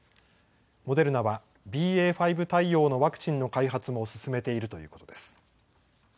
モデルナはＢＡ．５対応のワクチンの開発も進めているということです。